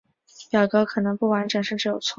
表格可能不完整甚至有错误。